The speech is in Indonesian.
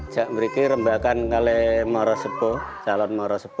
jambriki merupakan jalan yang menuju ke morosebo